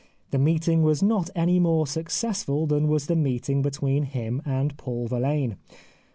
The meeting was not any more successful than was the meeting between him and Paul Verlaine.